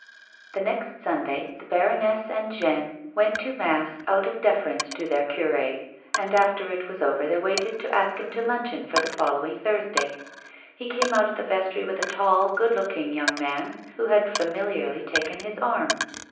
The next Sunday the baroness and Jeanne went to mass out of deference to their cure, and after it was over they waited to ask him to luncheon for the following Thursday. He came out of the vestry with a tall, good looking, young man who had familiarly taken his arm.